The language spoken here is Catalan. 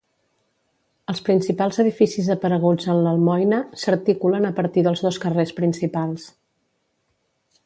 Els principals edificis apareguts en l'Almoina s'articulen a partir dels dos carrers principals.